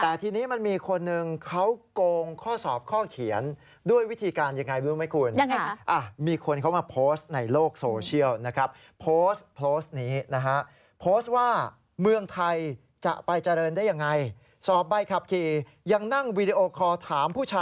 แต่ทีนี้มันมีคนหนึ่งเขาโกงข้อสอบข้อเขียนด้วยวิธีการยังไงรู้ไหมคุณ